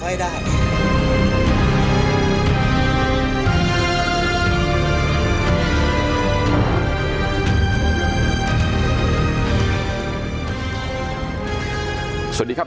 อันดับสุดท้าย